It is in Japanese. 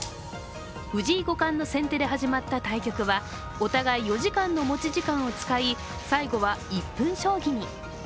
藤井五冠の先手で始まった対局はお互い４時間の持ち時間を使い最後は１分将棋に。